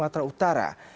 di sumatera utara